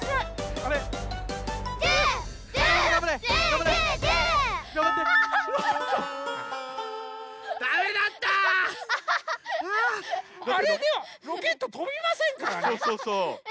あれではロケットとびませんからね。